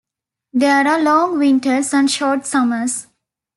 There are long winters and short summers.